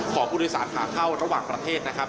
ของบริษัทผ่าเข้าระหว่างประเทศนะครับ